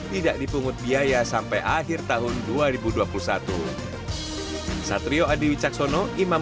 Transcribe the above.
tidak dipungut biaya sampai akhir tahun dua ribu dua puluh satu